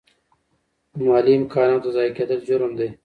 د مالي امکاناتو ضایع کیدل جرم دی.